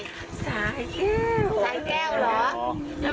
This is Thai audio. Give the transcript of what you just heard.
เศจแก้ว